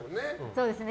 そうですね。